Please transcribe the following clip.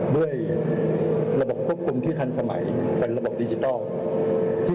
ด้วยระบบควบคุมที่ทันสมัยเป็นระบบดิจิทัล